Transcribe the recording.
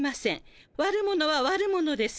悪者は悪者です。